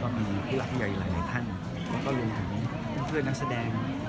ก็มีผู้รักใหญ่หลายในท่านแล้วก็โรงงานเพื่อนนักแสดง